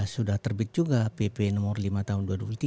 sudah terbit juga pp nomor lima tahun dua ribu tiga